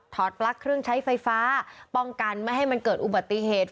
ปลั๊กเครื่องใช้ไฟฟ้าป้องกันไม่ให้มันเกิดอุบัติเหตุ